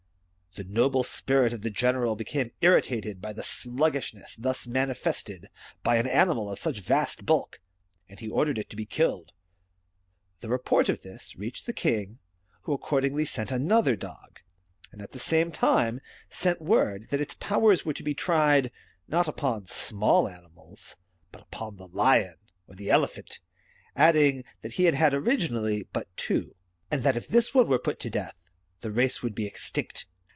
The noble spirit of the general became imtated by the sluggish ness thus manifested by an animal of such vast bulk, and he ordered it to be killed. The report of this reached the king, who accordingly sent another dog, and at the same time sent word that its powers were to be tried, not upon small animals, but upon the lion or the elephant ; adding, that he had had originally but two, and that if this one were put to death, the race would be extinct.